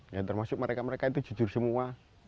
ya termasuk mereka mereka itu jujur semua